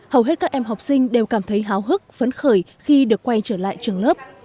hầu hết các em học sinh đều cảm thấy háo hức phấn khởi khi được quay trở lại trường lớp